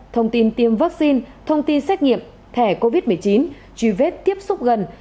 thông tin tiêm vaccine thông tin xét nghiệm thẻ covid một mươi chín truy vết tiếp xúc gần